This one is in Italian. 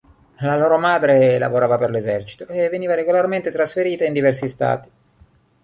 La loro madre lavorava per l'esercito e veniva regolarmente trasferita in diversi stati.